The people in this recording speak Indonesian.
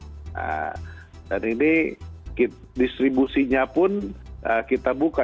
nah dan ini distribusinya pun kita buka